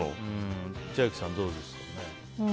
千秋さん、どうですか？